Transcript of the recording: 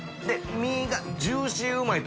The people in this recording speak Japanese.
身がジューシーうまいと。